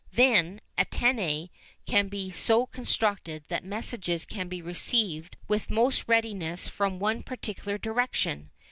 Then, antennæ can be so constructed that messages can be received with most readiness from one particular direction.